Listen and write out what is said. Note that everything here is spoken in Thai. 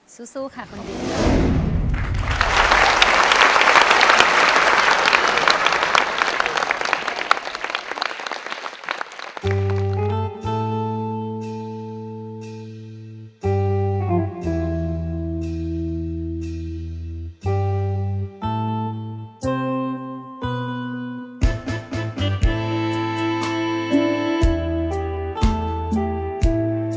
ซูซูค่ะคุณดี